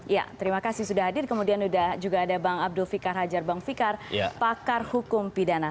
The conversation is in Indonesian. ya terima kasih sudah hadir kemudian juga ada bang abdul fikar hajar bang fikar pakar hukum pidana